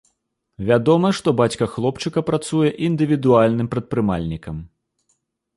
Вядома, што бацька хлопчыка працуе індывідуальным прадпрымальнікам.